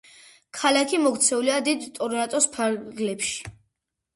ქალაქი მოქცეულია დიდი ტორონტოს ფარგლებში.